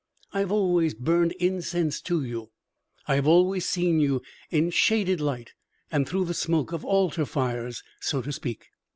I have always burned incense to you; I have always seen you in shaded light and through the smoke of altar fires, so to speak."